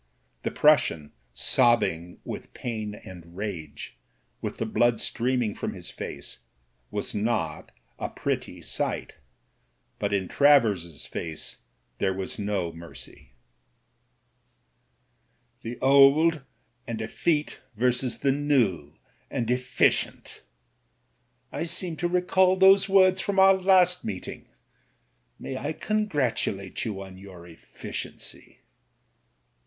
The Prussian, sobbing with pain and rage, with the blood streaming from his face, was not a pretty sight ; but in Travers's face there was no mercy. i8o MEN, WOMEN AND GUNS " The old and eflfete versus the new and efficient !* I seem to recall those words from our last meeting. May I ccMigratulate you on your efficiency